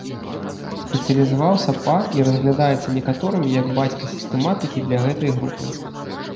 Спецыялізаваўся па і разглядаецца некаторымі як бацька сістэматыкі для гэтай групы.